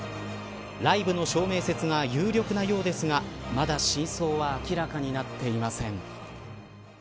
ライブの照明説が有力なようですがまだ真相は明らかになっていません。